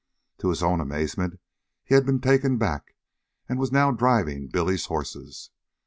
To his own amazement he had been taken back, and was now driving Billy's horses.